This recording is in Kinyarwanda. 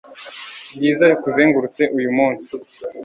byiza bikuzengurutse uyu munsi